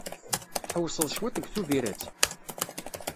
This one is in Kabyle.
Tḥewwseḍ cwiṭ deg Tubirett?